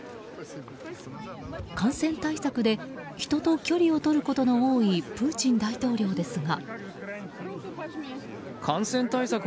感染対策で人と距離をとることの多いプーチン大統領ですが。